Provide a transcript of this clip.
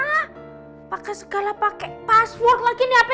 apakah segala pake password lagi nih hp